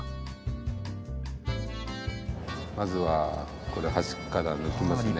まずはこれ鉢から抜きますね。